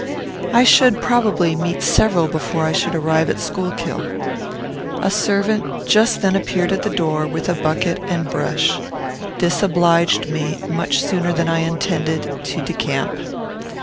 I should, probably, meet several before I should arrive at Schuylkill. A servant just then appeared at the door, with bucket and brush. This obliged me, much sooner than I intended, to decamp.